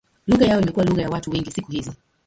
Lugha yao imekuwa lugha ya watu wengi siku hizi.